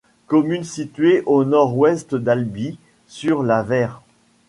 Commune située au nord-ouest d'Albi, sur la Vère.